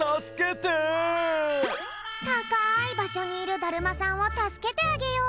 たかいばしょにいるだるまさんをたすけてあげよう！